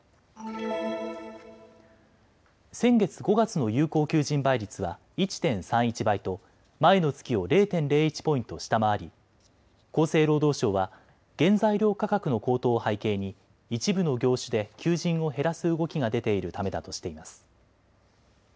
先月５月の有効求人倍率は１．３１倍と前の月を０．０１ポイント下回り、厚生労働省は原材料価格の高騰を背景に一部の業種で求人を減らす動きが出ているためだとしています。